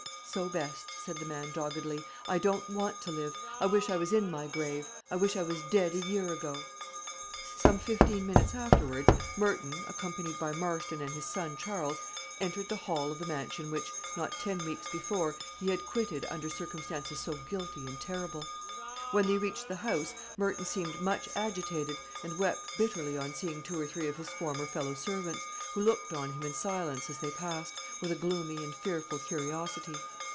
"So best," said the man, doggedly. "I don't want to live; I wish I was in my grave; I wish I was dead a year ago." Some fifteen minutes afterwards, Merton, accompanied by Marston and his son Charles, entered the hall of the mansion which, not ten weeks before, he had quitted under circumstances so guilty and terrible. When they reached the house, Merton seemed much agitated, and wept bitterly on seeing two or three of his former fellow servants, who looked on him in silence as they passed, with a gloomy and fearful curiosity.